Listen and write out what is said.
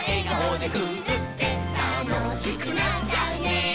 「たのしくなっちゃうね」